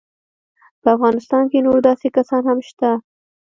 په افغانستان کې نور داسې کسان هم شته.